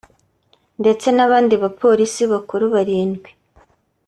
ndetse n’abandi bapolisi bakuru barindwi